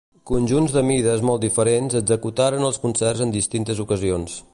Conjunts de mides molt diferents executaren els concerts en distintes ocasions.